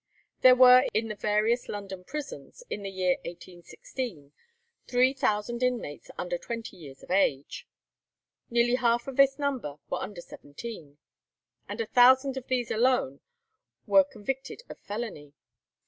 There were in the various London prisons, in the year 1816, three thousand inmates under twenty years of age. Nearly half of this number were under seventeen, and a thousand of these alone were convicted of felony.